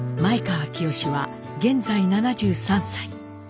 前川清は現在７３歳。